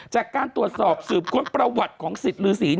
จากการตรวจสอบสืบค้นประวัติของสิทธิ์ฤษี